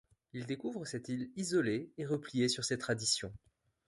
Il découvre cette île isolée et repliée sur ses traditions.